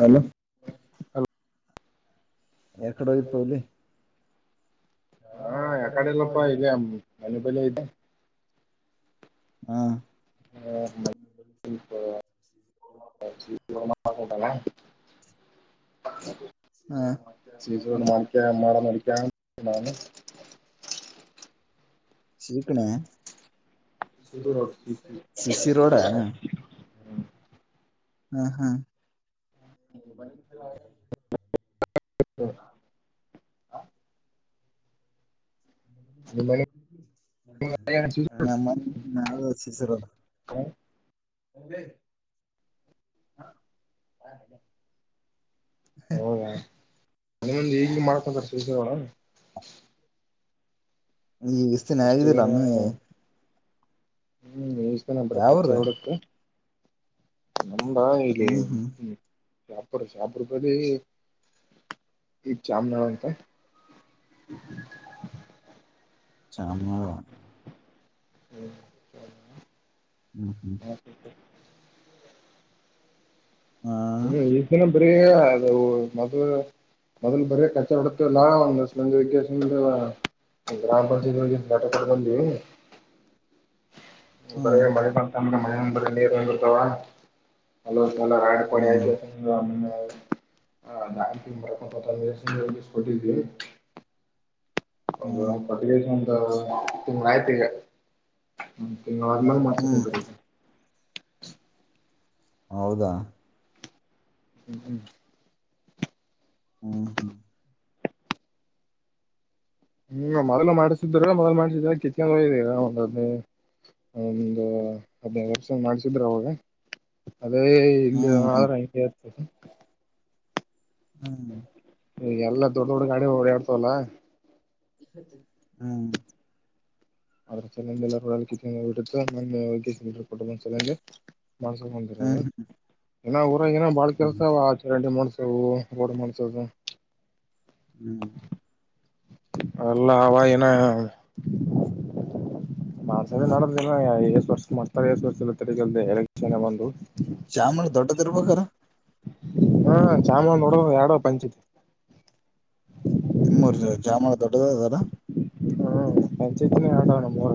ಹಲ ಹಲೋ ಯಕಡೆ ಹೋಗಿತಲ್ಲಿ ಹಾ ಯಾ ಕಡೆಲ್ಲಪ್ಪ ಇದೆ ಮನೆ ಬಲೆ ಇದೆ ಹಾ ಹ್ಮಟ ಶ ಹಾ ಮಾಡಳಿಕ ಮಾಡಳ ನಳಿಕ ಸಾನ ಶೀಕಣ ಸಿಸಿ ರೋಡಾ ಹಾ ಹಾ ಹ ನಿಮ್ಮ ಮನೆ ನಮ್ಮ ನಾವು ಶಿಸರ [inaudible] ಹೌದಾಹಗ ಮಾಡಕೊಂತೋಣ ಈ ಇಸತಿನ ಜನ ಆಗಿದಿಲ್ಲಾನ ಹ್ಮ್ ನೀಷ್ಟ ನ್ರ ಯಾವ್ರ ಕಚ್ಚಾ ಹಡಕ್ಕೆ ನಮ್ಮಾ ಹ್ಮ್ ಹ್ಮ್ ಇಲ್ಲಿಮ ಸಾಪಡ ಸಾಪಿಡಬದು ಇ ಚಾಮನಾವಂತಾಯ ಚಾಮ ಹ್ಮ ಹ್ಮ್ ಹ್ಮ್ ಹ ಹ ಹ್ಮ್ ಈ ದಿನ ಬರಿ ಅ ಮದ ಮೊದಲ್ ಬರ ಕಚ್ಚಾವಡತೆ ಲಲ್ಲಾಜ ವ ಗ್ರಾಮ ಪಂಚಾಯತ್ಗೆ ನಟಕ ಬಲ್ಲಿ [inaudible] ಹ್ಮ ಬರ ಮಳೆ ಬತ ಅಂದ್ರೆ ಮಳೆ ಅಂದ್ರೆ ನೀರ್ ಅಂದಿರ್ತಾವ ಅ ಹ್ಮ [unintelligible] [inaudible] ಹ್ಮ್ ಹ್ಮ್ ಒಂದುಟ್ಟದ ಒಂದು ತಿಂಗಳ ಆಯ್ತ್ ಈಗ ಹ್ಮ ನಾರ್ಮಲ್ ಮತ್ತ ಕುಂದರ್ತೈತಿ. ಹೌದಾ ಹ್ಮ್ ಹ್ಮ್. ಹ್ಮ ಹ್ಮ ಹ್ಮ್ ಮೊದ್ಲು ಮಾಡ್ಸಿದ್ರ ಮೊದ್ಲು ಮಾಡ್ಸಿದ್ರ ಚಿಚ್ಚರ ಒಂದೆ [unintelligible] ಒಂದು ಹದ್ನೈದು ವರ್ಷ ಮಾಡ್ಸಿದ್ರ ಅವಾಗ. ಅದೇ ಇಲ್ಲಿ ಹ್ಮ್ [unintelligible] ಹ್ಮ್ ಎಲ್ಲ ದೊಡ್ಡ ದೊಡ್ಡ ಗಾಡಿ ಓಡಾಡ್ತವಲ್ಲಾ. ಹ್ಮ. ಅದರ ಸಮಂದ ಎಲ್ಲಡ ಬಿಟ್ಟತ್ತು ಆ ಕೊಟ್ಟ ಬಂದ ಚಲಂಗ ಮಾಡ್ಸೋಮ ಅಂದ್ರ ಹ್ಮ್ ಹ್ಮ್ ಇನ್ನ ಊರಾಗ ಏನ ಬಾಳ ಕೆಲ್ಸ ಆವ ಆ. [unintelligible] ರೋಡ್ ಮಾಡ್ಸೋದು. ಹ್ಮ್ ಅಲ್ಲ ಅವ ಏನ ಮಾಡ್ಸೋದ ಇನ್ನ ಹ್ಮ್ ನಡದದ ಏಷ್ಟ್ ವರ್ಷ ಮಾಡ್ತಾರೆ ಎಷ್ಟ ವರ್ಷ ಎಲ್ಲ ತಗಲ್ದೆ ಎಲೆಕ್ಷನ್ ಬಂದು ಚಾಮರ ದೊಡ್ಡದ ಇರಬೇಕಾ ಆರ - ಹಾ ಚಾಮಾ ನೋಡ ಎರಡ ಪಂಚಾಯತಿ ನಿಮ್ಮೂರ್ ಜಾಮರ ದೊಡ್ಡದ ಅದಲ್ಲಾ. ಹ್ಮ್ ಪಂಚಾಯತಿನ ಯಾಡ್ ಅದಾವನಮ್ಮ ಊರ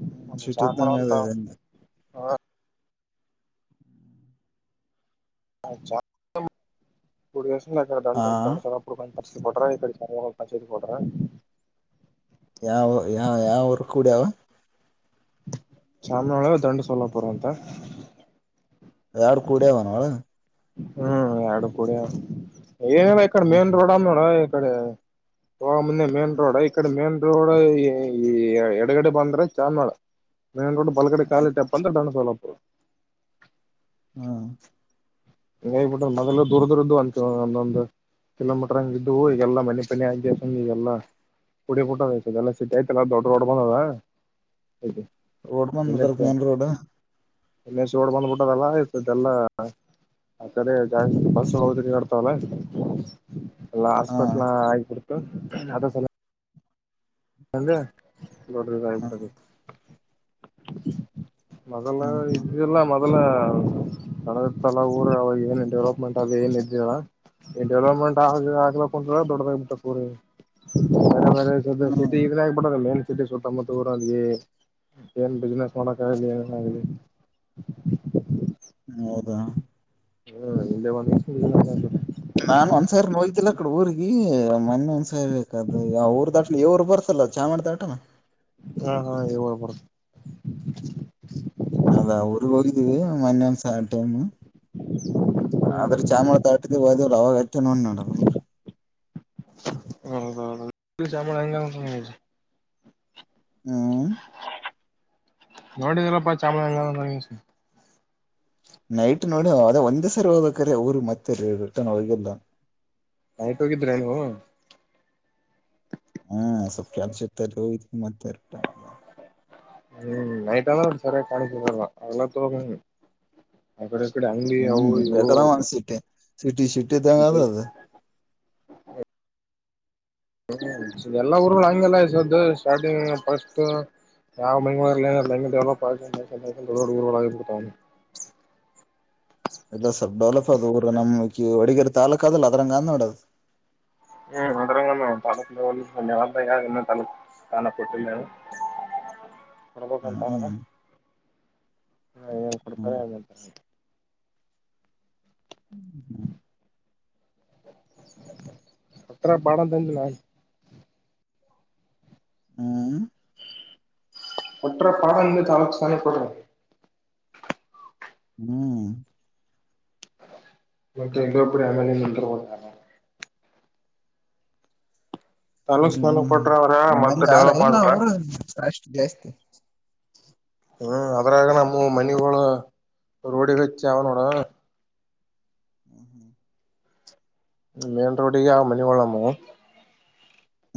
ಹ್ಮ್ ಒಂದ ಸಿಟಿ ಚಾಮಾರ ಇದ್ದಂಗ ಅಂತ - ಅದ ಹಾ [unintelligible] [unintelligible] ಯಾವ ಯಾವ ಯಾವ ಊರು ಕುಡ್ಯಾವ ಚಾಮನಹಳ್ಳ ದಂಡ ಸೋಲ್ಲಾಪುರ ಅಂತ ಎರಡು ಕುಡ್ಯಾವ ಆನ ಅವ ಹ್ಮ್ ಎರಡು ಕುಡ್ಯಾವ್ ಏನೇಲ್ಲ ಹ ಇಕಡೆ ಮೇನ್ ರೋಡ್ ಅದ ನೋಡ ಇಕಡೆ ಹೋಗೋಮುಂದ ಮೇನ್ ರೋಡ್ ಇಕಡೆ ಮೇನ್ ರೋಡ್ ಈ ಎಡಗಡೆ ಬಂದ್ರೆ ಚಾಮ್ನಳ ಮೇನ್ ರೋಡ್ ಬಲಗಡೆ ಹ ಕಾಲ್ ಇಟ್ಟ್ಯಪ ಅಂದ್ರ ದಂಡ ಸೊಲ್ಲಾಪುರ. ಹ್ಮ. ಹಂಗ ಹೇಬಿಟ್ಟ್ರ ಮೊದಲ್ಲ ದೂರ ದೂರ ಇದ್ದು ಅಂತ ಒಂದೊಂದು ಕಿಲೋಮೀಟರ್ ಹಂಗ ಇದ್ದು ಈಗೆಲ್ಲ ಮನೆ ಪನಿ ಆಗಾನ್ ಈಗೆಲ್ಲಾ ಕುಡಿ ಪುಟ್ಟದ ಆಯತದದೆಲ್ಲ ಸಿಟ್ಟಿ ಆಯ್ತಲ್ಲ ದೊಡ್ಡ ದೊಡ್ಡ ಬಂದದ ರೋಡ್ ಬಂದದ ಅದರ ಮೇನ್ ರೋಡ್ ಇಲ್ಲೇಸಿ ರೋಡ್ ಬಂದ್ಬಿಟ್ಟದಲ್ಲ ಇದರ್ದ ಎಲ್ಲ ಆ ಕಡೆ ಜಾಸ್ತಿ ಬಸ್ ಅದು ತೀರ್ಗ್ಯಾಡತಾವಲ್ಲ ಎಲ್ಲಾ ಹಾಸ್ಪಿಟ್ಲ್ ಹ ಆಗ್ಬಿಡ್ತ ಅದರ ಸಲ್ವಾಗಿ ಅಂದ ದೊಡ್ಡದದ [unintelligible] ಹ ಮೊದಲ ಹ್ಮ್ ಇದ್ದಿಲ್ಲ ಮೊದಲ ಕಳದ ಸಲ ಊರ ಅವಾಗ ಏನ್ ಡೆವಲಪ್ಮೆಂಟ್ ಅದು ಏನ್ ಇದ್ದಿದ್ದಿಲ್ಲ. ಡೆವಲಪ್ಮೆಂಟ್ ಆಗ ಆಗ್ಲಕ್ಕುಂತದ ದೊಡ್ಡದಾಗಗ್ಬಿಟ್ಟ ಪೂರ ಈಗ ಬೇರೆ ಬೇರೆ ಸದ ಸಿಟಿ ಇಡ್ರಾಗ್ ಆಗಿಬಿಟ್ಟಿದಲ್ಲ ಏನು ಸಿಟಿ ಸುತ್ತ ಮುತ್ತ ಊರಲ್ಲಿ ಏನ್ ಬಿಸ್ನೆಸ್ ಮಾಡಕ್ ಆಗಲಿ ಏನ್ ಆಗಲಿ ಹೌದಾ ಹ್ಮ ಇಲ್ಲೆ ಒಂದ [unintelligible] ನಾನ ಒಂದ್ಸಾರಿ ನೋಯ್ತಿಲ್ಲ ಆಕಡೆ ಊರಿಗಿ ಮೊನ್ನೆ ಒಂದ್ಸ ಸರಿ ಬೇಕದು ಅವ್ರು ದಾಟಟ್ಲಿ ಇವ್ರು ಬರ್ತಾಲ್ಲ ಚಾಮರ ಡಾಟಾನ ಹಾ ಹಾ ಇ ಬರಬರ [unintelligible] ಅದಾ ಊರ್ಗ್ ಹೋಗಿದ್ದೀವಿ ಮನ್ನ್ಸ ಟೈಮ್ [unintelligible] ಆದ್ರೆ ಚಾಮಳ ತಾಟಿದೀದೇವರು ಅವಾಗ ಅಚ್ಚ ನೋ ನಡಲ್ ಅವರು [unintelligible] [inaudible] ಹಂಗಾಮ [unintelligible] ಹ್ಮ [unintelligible] ನೋಡಿಲ್ಲಪ್ಪಾ ಚಾಮ ಎಲ್ಲ [unintelligible] ನೈಟ್ ನೋಡಿ ಅದ ಒಂದ್ ಸರಿ ಹೋದಕ್ರ ಅವಊರು ಮತ್ತೆ ರಟನ್ ಹೋಗಲ್ಲ [unintelligible] ನೈಟ್ ಹೋಗಿದ್ರೆ ನೀವು [unintelligible] ಹಾ ಸಖ್ಯಷತ ಮತ್ತೆ [unintelligible] ಹ್ಮ್ ನೈಟಾದ ನ ಸರಿಯ ಕಾಣ ಅಲ್ಲ ತೋ ಅ [unintelligible] ಈ ಕಡೇ ಅಂಗಡಿ ಅವು ಇವು [unintelligible] ಸಿಿಟಿ ಸಿಟಿ ತಂಗತದು [unintelligible] ಹೌ [unintelligible] ಎಲ್ಲಾ ಊರುಗಳು ಹಗೆಲ್ಲಸೋ ಸ್ಟಾರ್ಟಿಂಗ್ ಫಸ್ಟ್ ಯಾವ ಮಂಗ ಇತ [inaudible] ಇಲ್ಲ ಸ್ವಲ್ ಡೆವಲಪ್ ಅ ಊರ ನಮ್ ಹೊಡಗೇರಿ ತಾಲೂಕ್ ಅದಲ್ಲ ಅದ್ರಂಗ ಅಂದ ನೋಡದು ಹ್ಮ್ ಮದರ ತಳ ಯ ತಲೆ ಕಾಣಪಟ್ಟಿಲ್ಲ [inaudible] ಅಪ ಕಂಂತಾ ಹ್ಮ್ ಹಾ ಏನ್ ಹ್ಮ್ ಕೊಡ್ತಾರೆಂಗಂತಾರೆ ಹ್ಮ್ ಹ್ಮ್ ಅತ್ರ ಪಡ ತಂದಿಲ್ಲ ಹ್ಮ ಒಟ್ರ ಪಳನ್ಂಬ ಚ ಅಲಕ್ ಸಣಿ ಕೊಡ ಹ್ಮ್ ಮತ್ತೆಲ್ಲಪಡ ಎಮಲೆ ಅಂದರು ತಾಲೂಕ್ ಹ್ಮ ಸ್ಥಾನ ಕೊಟ್ರ ಅವ್ರ ಹ್ಮ್ ಮಂದ ಮತ್ತ ಆರ ಡೆವಲಪ್ ಎಲ್ಲ ಆದ್ರ ಅವರಷ್ಟು ಜಾಸ್ತಿ ಹ್ಮ್ ಅದ್ರಾಗ ನಮ್ಮ ಮನಿ ರೋಡಿಿಗೆಚ್ಚ ಯಾವ ನೋಡ ಮೇನ್ ರೋಡಿಗೆ ಮಣಿಿವಳಮ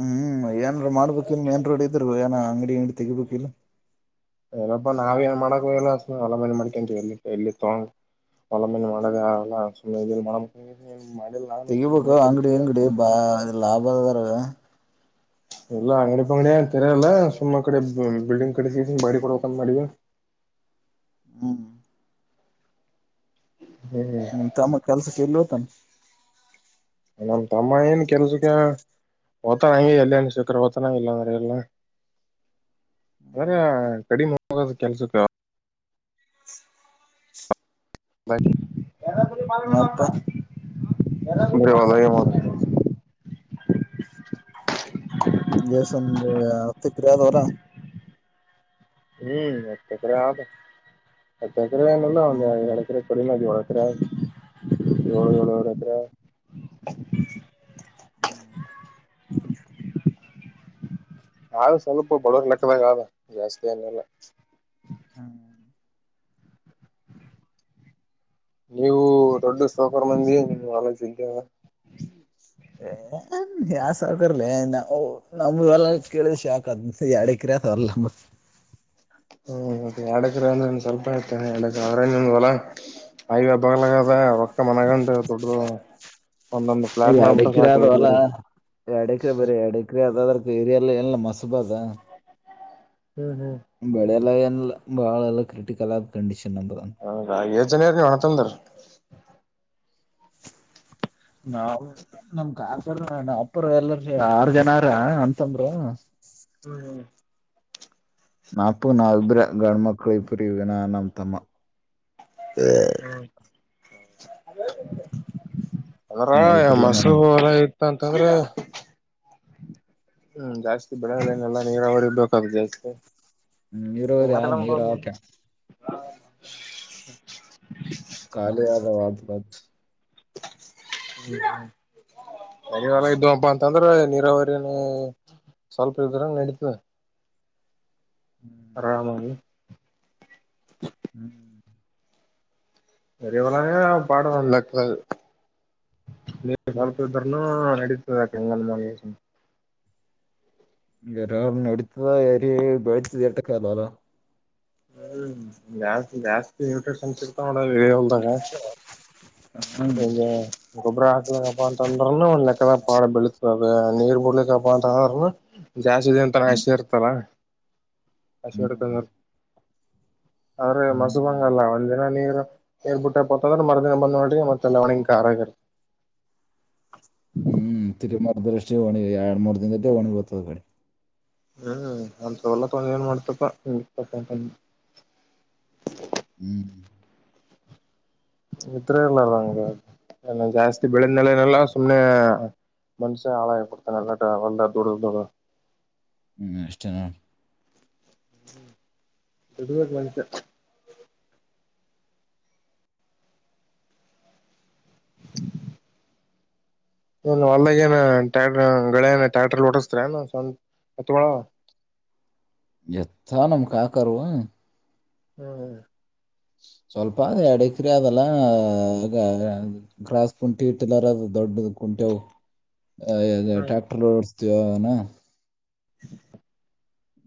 ಹ್ಮ್ ಏನ್ ಮಾಡ್ಬೇಕಿಲ್ ಮೇನ್ ರೋಡ್ ಇದ್ರು ಏನ ಅಂಗಡಿ ಅಂಗಡಿ ತೆಗಿಬೇಕಿಲ್ ಎಲ್ಲಪ್ಪಾ ನಾವ್ ಏನ್ ಮಾಡಕ ಎಲ್ಲಲ ಮ ಮಾಡ್ಕಂತ ಎ ಎಲ್ಲಿ ತೊಂಗ ಒಲ ಮಿನ ಮಾಡಳಗಲ್ಲ ಮ ತೆಗಿಬೇಕ ಅಂಗಡಿ ಅಂಗಡಿ ಬಾ ಲಾಭ ಅದಾರ ಇಲ್ಲಾ ಅಂಗಡಿ ಪ ಅಂಗಡಿಯ ತೆರಲ್ಲ ಸುಮ್ಮ ಕಡೆ ಬಿಲ್ಡಿಂಗ್ ಕಡಿಸಿ ಬಾಡಿ ಕೊಡಕ ಮಾಡ ಹ್ಮ ಹ್ಮ್ ಹ್ಮ ತಮ್ಮ ಕೆಲ್ಸಕ್ಕೆ ಎಲ್ಲಿೋತಾನ ನಮ ತಮ್ಮ ಏನ್ ಕೆಲ್ಸಕ್ಕೆ ಓತಾನಂಗ ಎಲ್ಲಿಯಾಣ ಸಕ್ಕ್ರ ಓತಾನ ಇಲ್ಲಂದ್ರ ಎಲ್ಲ ಅ್ರ ಹ್ಮ್ ಕಡಿಮ ಹೋದ ಕೆಲ್ಸಕ್ಕ ಬ ಯಲ್ಲ ಬ ಅಪ್ಪ ಬರವದ ಮಾಡ ದೇಸಂದ ಹತ್ತು ಎಕರೆ ಆದವರ ಹ್ಮ್ ಎತ್ತು ಎಕರೆ ಆ ಹತ್ತ ಎಕರೆ ಏನಲ್ಲ ಒಂದು ಹ್ಮ್ ಹ್ಮ್ ಎರಡು ಎಕರೆ ಕೊಡಿಮದ ಒಳ ಹತ್ರ ಏಳು ಏಳ ಏರ ಹತ್ರ ಹ್ಮ್ [inaudible] ಹ ಸ್ವಲ್ಪ ಬಡವರ್ ಲೆಕ್ಕದಾಗ ಜಾಸ್ತಿ ಅನ್ನಲ್ಲ ಹ್ಮ್ [inaudible] ನೀವು ದೊಡ್ಡ ಸೂಪರ್ ಮಂದಿ ಆಲೇಜ ಇದ್ದ್ಯಾವ ಯಾ ಸೌಕರ್ಲಿ ನಾವ್ ನಮ ಎಲ್ಲ ಕೇಳಿದ ಶಾಕ್ ಅದ ಯಡ ಕ. [unintelligible] ಹ್ಮ ಮತ್ತೆ ಎಡ್ ಎಕ್ರೆ ಅಂದ್ರ ಸ್ವಲ್ಪೇ ಅಹಿತ್ಯ ಆದ್ರಗ ಹೊಲ. ಅಂಗೆ ಬಾಗಲಾಗದ ಹೊಕ್ಕ ಮನಗಂಡ ದೊಡ್ಡುವವ. ಎಡ ಎಕರೆ ಆದ ಹೊಲ ಎಡ ಎಕರೆ ಬರೆ ಎಡ ಎಕರೆ ಆದ ಬರೆ. ಏರಿಯಲ್ಲಿ ಎಲ್ಲ ಮಸುಬ ಅದ. ಬಳೆಲ್ಲ ಏನಿಲ್ಲ ಬಾಳ ಎಲ್ಲ ಕ್ರಿಟಿಕಲ್ ಆದ್ ಕಂಡೀಷನ ಹೌದ ಏಜ್ ಜನ ಇರಿ ನೀವ್ ಅಣ್ಣ ತಮ್ಮ ದೋರು. ನಾವ್ ನಮ ಕಾಕ್ ದರು ನಾವ ಅಪ್ಪರ ಎಲ್ಲರ ಆರು ಜನ ಆರ ಅಣ್ಣ ತಮ್ಮಂದಿರು. ನತ್ತು ನಾವಿಬ್ರ ಗಂಡ ಮಕ್ಳ ಇಬ್ರು ಇವಿ ನಾನು ನಮ ತಮ್ಮ. [unintelligible] ನಾ ಆದ್ರಗ ಇಬ್ರು ನಮ್ ಮಾಸೂರು. ಅಂತಂದ್ರೆ ಹ್ಮ್ ಜಾಸ್ತಿ ಬೆಳೆದನೆಲ್ಲ ನೀರಾವರಿ ಬೇಕಾದು ಜಾಸ್ತಿ. ನೀರಾವರಿಯಾದ್ ನೀರಾದ್ ಕೇನ್ [unintelligible] ಕಾಲೇ ಆದ [unintelligible] [unintelligible] ಹ್ಮ್ ಇದ್ದಪ್ಪ ಅಂತ ಅಂದ್ ಅಂದ್ರ ನೀರಾವರಿನು ಸ್ವಲ್ಪ ಇದ್ರ ನಡೀತ. ಆರಾಮಾಗಿ ಹ್ಮ್ಮ್ ಎರಿ ಹೊಲನೇ ಪಾಡ ಒಂದ್ ಲೆಕ್ಕದಾಗ. ನೀರ್ ಸ್ವಲ್ಪ್ ಹ್ಮ್ ಇದ್ರೂನು ನಡೀತಾ ಇಂಗಾದ್ರು ಮಾಡ್ಗೇಸಿ. ಎರಿ ನಡೀತಾ ಏರಿ ಬೆಳೀತಾ ಎಟುಕ ಹೊಲ. ಹ ಜಾಸ್ತಿ ಜಾಸ್ತಿ ನ್ಯೂಟ್ರಿಷನ್ಸ್ ಇರ್ತ ನೋಡ ಇ ಹೊಲ್ದಾಗ. ಹ್ಮ್ ಹಗೆ ಗೊಬ್ಬರ ಹಾಕ್ಲಕ್ಕಪ್ಪಾ ಅಂತ ಅಂದ್ರನು ಒಂದ್ ಲೆಕ್ಕದ ಪಾಡ ಬೆಳತ. ನೀರ್ ಬಿಡ್ಲಿಕ್ಕಪ್ಪಾ ಅಂತ ಅಂದ್ರುನೂ ಜಾಸ್ತಿ ದಿನ ತಂಕ ಹ್ಮ್ ಅಸಿ ಇರ್ತಲ್ಲ. ಹಸಿ ಇಡ್ಕೊಂಡು ಹ್ಮ್ ಇರತ್. ಆದ್ರೆ ಮಸುಬಂಗ ಹ್ಮ್ ಅಲ್ಲ ಒಂದ್ ದಿನ ನೀರ್ ನೀರ್ ಬಿಟ್ಟೆಪ ಅಂತ ಅಂದ್ರ ಮರದಿನ ಬಂದ್ ನೋಡ್ರಿ ಮತ್ತ. ತಲ್ಲ ಒಣಗಿ ಕಾರ ಆಗಿರುತ್ತ. ಹ್ಮ್ ತಿಗ ಮರ್ದಷ್ಟ ಹೋಗಣಿ ಎರಡ್ ಮೂರ್ ದಿನದ ಹೋಗಣಿ ಗತ್ತದ ಕಡೆ. ಹ್ಮ್ ಅಂತ ಹೊಲ ತೊಗೊಂಡು ಎನ್ ಮಾಡ್ತಿ ಅಪ್ಪ [unintelligible] ಹ್ಮ್ ಇದ್ರು ಇರ್ಲರಂಗ ಹಂಗ ಬೆಳೆದ ನಲನಲ್ಲ ಸುಮ್ನೆ. ಮನುಷ್ಯನ್ ಹಾಳಾಗಿ ಬಿಡ್ತಾನ ಹೊಲದಾಗ ದುಡಿದು ದುಡಿದು. ಹ್ಮ್ ಅಷ್ಟೇ ನೋಡ್ [unintelligible] ಹೊಲ್ಲಾಗ ಏನ ಟ್ಯಾಕ್ಟರ್ ಗಳೇ ಏನ್ ಟ್ರಾಕ್ಟರ್ ಹೊಡೆಸ್ತ್ರಿ ಎನ್ ಎತ್ತುಗೋಳು ಅವ. ಎತ್ತ ಆವ ನಮ್ ಕಕರುವು. ಹ್ಮ್ ಹ್ಮ ಸ್ವಲ್ಪ ಆದ ಎಡ್ ಎಕರೆ ಅದಲ್ಲ ಗ್ರಾಸ್ ಕಂಟಿ ಟಿಲ್ಲರ್ ಆದ. ದೊಡ್ಡದು ಕುಂಟೆವು ಆ ಆ ಹ್ಮ್ ಟ್ರ್ಯಾಕ್ಟರ್ ಓಡಸ್ತವಿ ಯುವಾಗನ. [inaudible]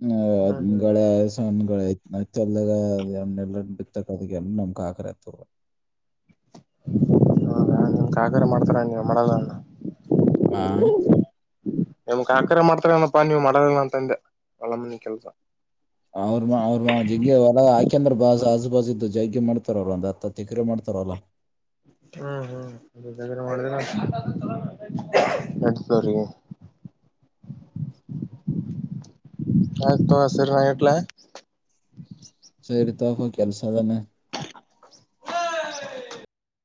ಹ ಹ್ಮ್ ಹ್ಮ್ ಗಳೇ ಶ್ ಸನ್ ಗಳೇ ಐತಿ ಹತ್ತಿ ಹೊಲದಾಗ ಬಿತ್ತಕ ನಮ್ ಕಾಕಾರ್ ಎತ್ತು ಗೋಳ. [unintelligible] ಇವಾಗ ನಿಮ್ ಕಾಕರ ಮಾಡ್ತಾರ ನೀವ್ ಮಾಡಲನ ಹಾ ನಿಮ ಕಾಕರ ಮಾಡ್ತಾರ ಅನಪ್ಪಾ ನೀವು ಮಾಡಲ್ಲ ಅಂತ ಅಂದೇ ಹೊಲ ಮನಿ ಕೆಲ್ಸ. ಅವ್ರ ಮಾ ಅವ್ರ ಮಾ ಜಗ್ಗೆ ಹೊಲ ಹಾಕ್ಯಂದ್ರ ಬಾಜು ಆಜು ಬಾಜು ಇದೂ ಜಗ್ಗೆ ಮಾಡ್ತಾರ ಅವ್ರ ಒಂದ್ ಹತ್ ಹತ್ ಎಕ್ರೆ ಮಾಡ್ತಾರ. ತರ ಹೊಲ. ಹ್ಮ್ ಹ್ಮ್ ಒಳ್ಳ ಹ್ಮ್ ಎಡ್ತರಿರಿಗೆ [inaudible] ಆಯ್ತ ತೋ ಸರಿ ನಾ ಇಡ್ಲಾ ಸೇರಿತಪ ಕೆಲ್ಸದಾನೆ [inaudible]